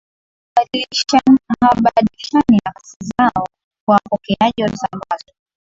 Hawabadilishani nafasi zao kwa wapokeaji waliosambazwa